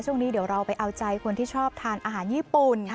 ช่วงนี้เดี๋ยวเราไปเอาใจคนที่ชอบทานอาหารญี่ปุ่น